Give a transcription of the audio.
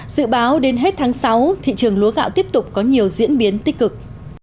dự báo đến hết tháng sáu thị trường lúa gạo tiếp tục có nhiều diễn biến tích cực